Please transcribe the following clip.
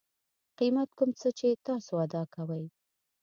قیمت کوم څه چې تاسو ادا کوئ